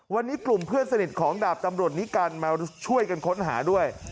วันนี้กลุ่มเพื่อนสนิทของดาบตำรวจนิกัลมาช่วยกันค้นหาด้วย